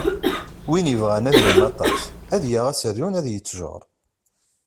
Win yebɣan adrim aṭas, ad yaɣ aserdun ad yettjeṛ.